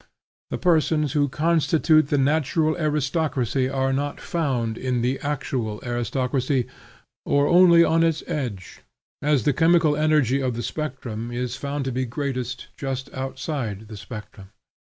The persons who constitute the natural aristocracy are not found in the actual aristocracy, or only on its edge; as the chemical energy of the spectrum is found to be greatest just outside of the spectrum.